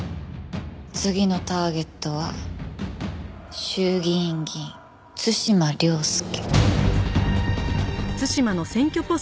次のターゲットは衆議院議員対馬良介。